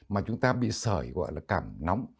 mà chúng ta bị sởi gọi là cảm nóng